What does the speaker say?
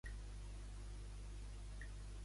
Pots recordar-me el telèfon de l'Amedics Centre Mèdic?